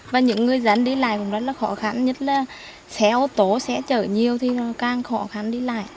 và những người dân đi lại cũng rất là khó khăn nhất là xe ô tô xe chở nhiều thì càng khó khăn đi lại